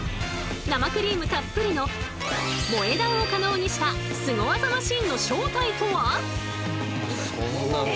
生クリームたっぷりの萌え断を可能にしたスゴ技マシンの正体とは？